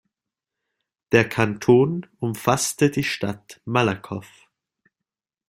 Der Kanton umfasste die Stadt Malakoff.